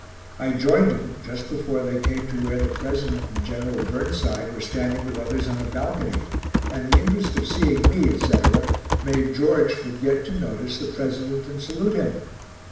I joined him just before they came to where the President and Gen. Burnside were standing with others on a balcony, and the interest of seeing me, etc., made George forget to notice the President and salute him.